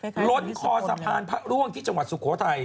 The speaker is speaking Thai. ใกล้คือศุกร์เนี่ยฮะล้นคอสะพานพระร่วงที่จังหวัดศุโขทัย